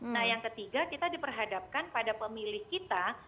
nah yang ketiga kita diperhadapkan pada pemilih kita